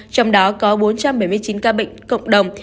trong đó có bốn trăm bảy mươi chín ca bệnh cộng đồng